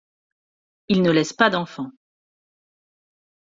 Il ne laisse pas d'enfants.